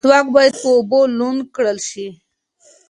مسواک باید په اوبو لوند کړل شي.